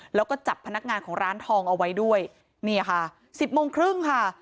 แล้วก็จับพนักงานของร้านทองเอาไว้ด้วยนี่ค่ะสิบโมงครึ่งค่ะ